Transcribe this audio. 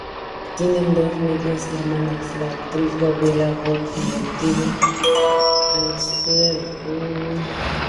Tiene dos medias hermanas: la actriz Gabriella Wilde y Octavia Elsa Anstruther-Gough-Calthorpe.